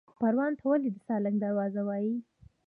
پروان ته ولې د سالنګ دروازه وایي؟